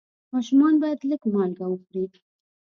ماشومان باید لږ مالګه وخوري.